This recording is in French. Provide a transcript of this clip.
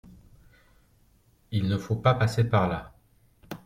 Il ne faut pas passer par là.